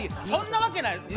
そんなわけない。